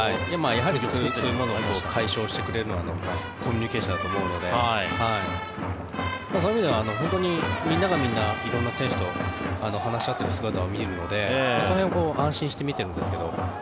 そういうのを解消してくれるのはコミュニケーションだと思うのでみんながみんな色んな選手と話し合っている姿を見るのでその辺は安心して見ているんですけど。